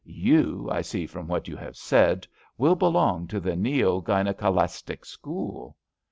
Tou, I see from what you have said, will belong to the Neo Gynekalistic school."